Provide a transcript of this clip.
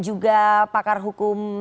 juga pakar hukum